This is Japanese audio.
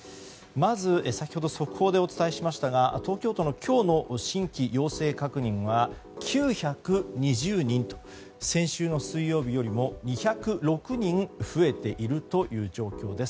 まず、先ほど速報でお伝えしましたが東京都の今日の新規陽性確認は９２０人と先週の水曜日よりも２０６人増えているという状況です。